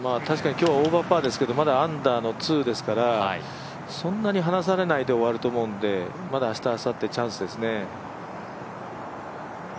確かに今日、オーバーパーですけど、まだアンダーの２ですからそんなに離されないで終わると思うんで、まだ明日、あさって、チャンスですね。